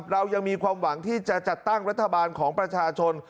เรายังมีความหวังที่จะจัดตั้งรัฐบาลของประชาชน